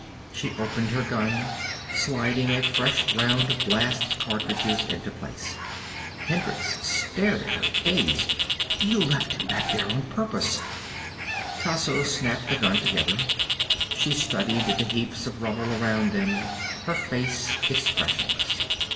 She opened her gun, sliding a fresh round of blast cartridges into place. Hendricks stared at her, dazed. "You left him back there on purpose." Tasso snapped the gun together. She studied the heaps of rubble around them, her face expressionless.